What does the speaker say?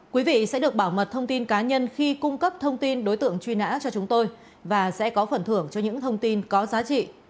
quý vị sẽ được bảo mật thông tin cá nhân khi cung cấp thông tin đối tượng truy nã cho chúng tôi và sẽ có phần thưởng cho những thông tin có giá trị